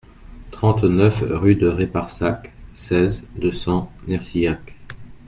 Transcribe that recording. trente-neuf rue de Réparsac, seize, deux cents, Nercillac